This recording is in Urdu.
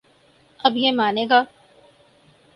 اب یہ مانے گا۔